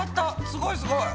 すごいすごい。